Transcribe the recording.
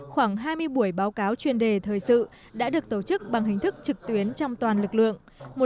khoảng hai mươi buổi báo cáo chuyên đề thời sự đã được tổ chức bằng hình thức trực tuyến trong toàn lực lượng